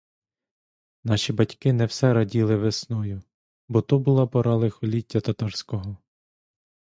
Наші батьки не все раділи весною, бо то була пора лихоліття татарського.